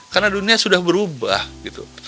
karena dunia sudah berubah gitu